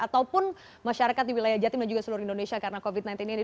ataupun masyarakat di wilayah jatim dan juga seluruh indonesia karena covid sembilan belas ini